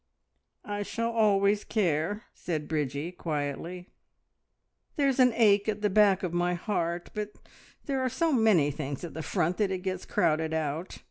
"I shall always care," said Bridgie quietly. "There's an ache at the back of my heart, but there are so many things at the front that it gets crowded out.